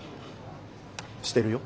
してるよ。